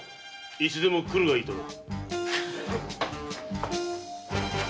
いつでも来るがいいとな。